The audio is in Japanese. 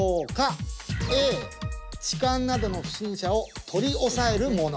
「Ａ」痴漢などの不審者を取り押さえるもの。